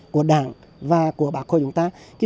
của đảng và bà khôi